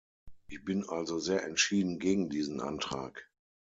Ich bin also sehr entschieden gegen diesen Antrag.